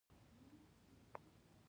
د مزار شریف ښار د بلخ مرکز دی